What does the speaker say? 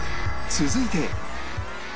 続いて